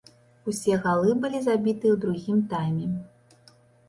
Усе галы былі забітыя ў другім тайме.